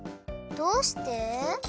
どうして？